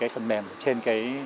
phần mềm trên